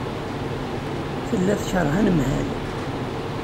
Tella tekṛeh anemhal.